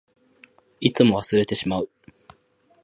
いつも忘れてしまう。